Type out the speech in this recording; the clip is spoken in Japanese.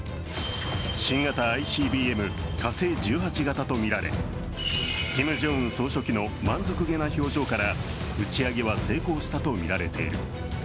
新型ＩＣＢＭ、火星１８型とみられキム・ジョンウン総書記の満足げな表情から、打ち上げは成功したとみられている。